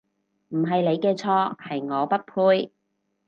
唔係你嘅錯，係我不配